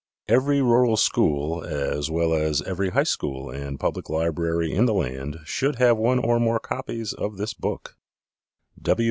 _Every rural school as well as every high school and public library in the land should have one or more copies of this book.